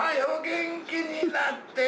元気になって。